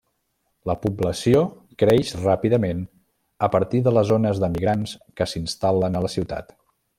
La població creix ràpidament a partir de les ones d'emigrants que s'instal·len a la ciutat.